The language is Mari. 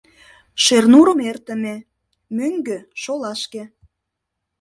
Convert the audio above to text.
Шернурым эртыме мӧҥгӧ — шолашке.